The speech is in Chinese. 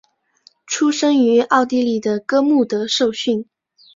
出生于奥地利的哥穆德受训。